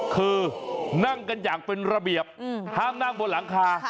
คือนั่งกันอย่างเป็นระเบียบห้ามนั่งบนหลังคา